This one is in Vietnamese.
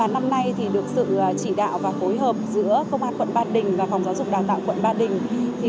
năm nay được sự chỉ đạo và phối hợp giữa công an quận ba đình và phòng giáo dục đào tạo quận ba đình